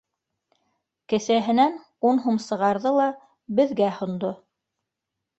Кеҫәһенән ун һум сығарҙы ла, беҙгә һондо.